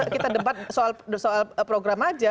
kita debat soal program aja